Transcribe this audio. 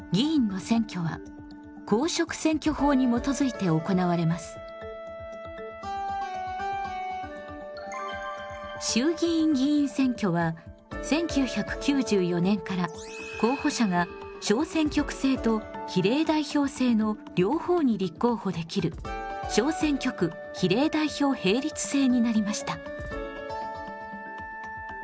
比例代表制ではその反面衆議院議員選挙は１９９４年から候補者が小選挙区制と比例代表制の両方に立候補できる小選挙区比例代表並立制になりました。